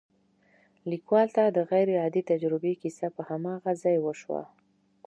ليکوال ته د غير عادي تجربې کيسه په هماغه ځای وشوه.